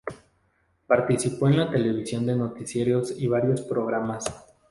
Participó en la televisión en noticieros y varios programas.